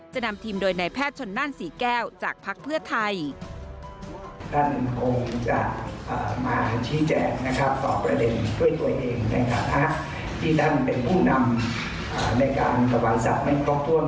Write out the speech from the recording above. นำทีมโดยนายแพทย์ชนนั่นศรีแก้วจากภักดิ์เพื่อไทย